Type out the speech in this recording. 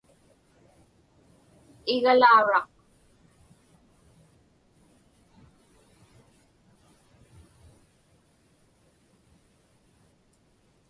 igalauraq